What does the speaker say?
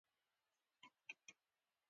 روزنه د انسان ځلا ده.